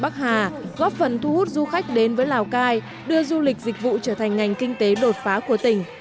bắc hà góp phần thu hút du khách đến với lào cai đưa du lịch dịch vụ trở thành ngành kinh tế đột phá của tỉnh